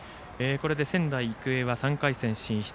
これで仙台育英は３回戦進出。